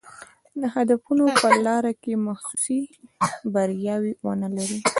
د هدفونو په لاره کې محسوسې بریاوې ونه لري.